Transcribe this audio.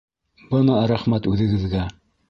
- Бына рәхмәт үҙегеҙгә!